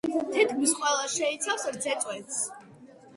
თითქმის ყველა შეიცავს რძეწვენს.